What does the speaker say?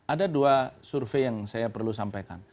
ada dua survei yang saya perlu sampaikan